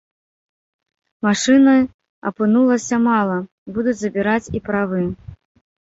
Машыны апынулася мала, будуць забіраць і правы.